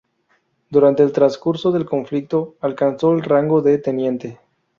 Durante el transcurso del conflicto alcanzó el rango de teniente.